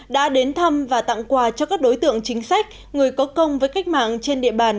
đã đến thăm và tặng quà cho các đối tượng chính sách người có công với cách mạng trên địa bàn